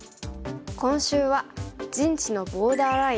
今週は「陣地のボーダーライン」。